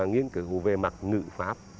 nghiên cứu về mặt ngữ pháp